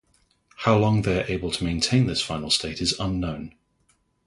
How long they are able to maintain this final state is unknown.